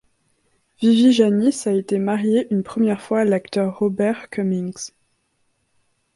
Vivi Janiss a été mariée une première fois à l'acteur Robert Cummings.